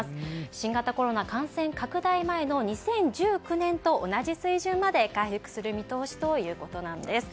新型コロナ感染拡大前の２０１９年と同じ水準まで回復する見通しということなんです。